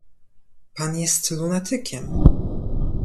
"Pan jest lunatykiem."